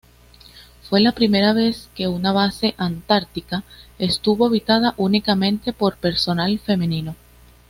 Fue la primera vez que una base antártica estuvo habitada únicamente por personal femenino.